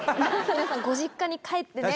皆さんご実家に帰ってね